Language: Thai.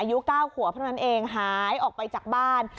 อายุเก้าหัวพร้อมนั้นเองหายออกไปจากบ้าน